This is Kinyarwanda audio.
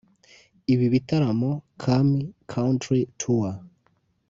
Ibi bitaramo 'Kami Country Tour'